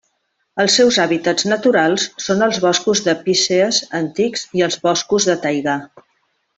Els seus hàbitats naturals són els boscos de pícees antics i els boscos de taigà.